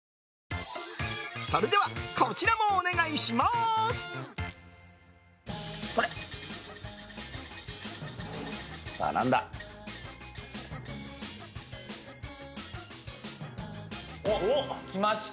それではこちらもお願いします！来ました。